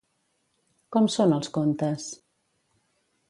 Com són els contes?